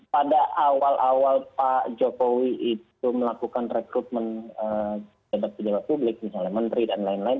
pada awal awal pak jokowi itu melakukan rekrutmen pejabat pejabat publik misalnya menteri dan lain lain